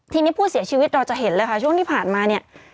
ทีนี้ผู้เสียชีวิตเราจะเห็นเลยค่ะช่วงที่ผ่านมาเนี่ย